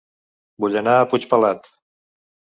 Vull anar a Puigpelat